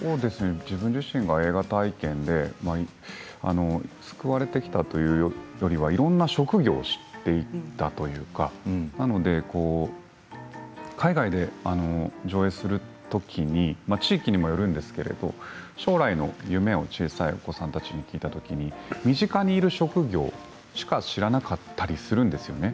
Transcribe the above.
自分自身は映画体験で救われてきた、というよりはいろんな職業を知ったというか海外で上映するときに地域にもよるんですけれど将来の夢を小さいお子さんたちに聞いたときに身近にいる職業しか知らなかったりするんですよね